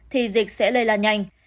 thì dịch sẽ lây lan nhanh